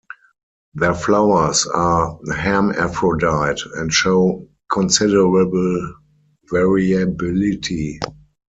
Their flowers are hermaphrodite and show considerable variability.